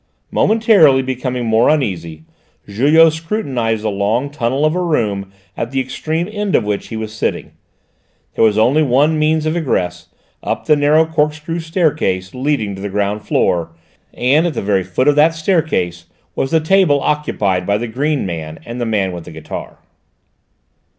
Momentarily becoming more uneasy, Julot scrutinised the long tunnel of a room at the extreme end of which he was sitting; there was only one means of egress, up the narrow corkscrew staircase leading to the ground floor, and at the very foot of that staircase was the table occupied by the green man and the man with the guitar.